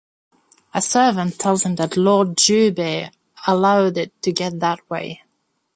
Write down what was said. A servant tells him that lord Jubei allowed it to get that way.